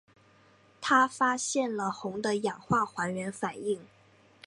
他发现了汞的氧化还原反应。